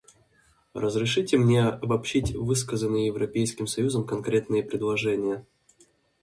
Разрешите мне обобщить высказанные Европейским союзом конкретные предложения.